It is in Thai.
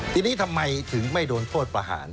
ทีนี้ทำไมถึงไม่โดนโทษประหาร